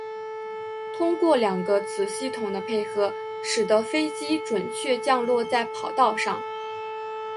通过两个子系统的配合使得飞机准确降落在跑道上。